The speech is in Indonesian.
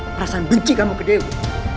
perasaan benci kamu ke dewa